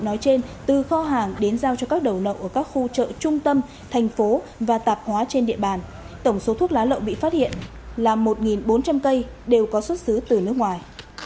nói trên từ kho hàng đến giao cho các đầu nậu ở các khu chợ trung tâm thành phố và tạp hóa trên địa bàn tổng số thuốc lá lậu bị phát hiện là một bốn trăm linh cây đều có xuất xứ từ nước ngoài